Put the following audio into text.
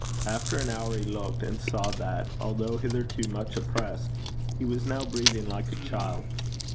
After an hour, he looked, and saw that, although hitherto much oppressed, he was now breathing like a child.